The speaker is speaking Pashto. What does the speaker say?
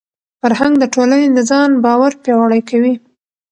فرهنګ د ټولني د ځان باور پیاوړی کوي.